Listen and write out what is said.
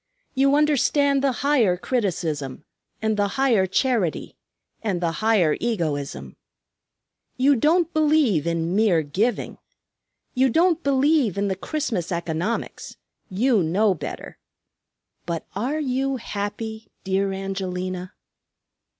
You understand the higher criticism, and the higher charity, and the higher egoism. You don't believe in mere giving. You don't believe in the Christmas economics, you know better. But are you happy, dear Angelina?"